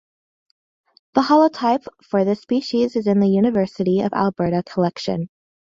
The holotype for this species is in the University of Alberta collection.